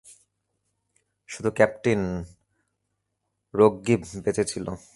শুধু ক্যাপটিন রজ্ঞিভ বেঁচে ছিল।